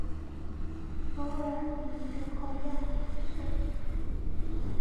索韦尔尼人口变化图示